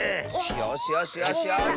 よしよしよしよし！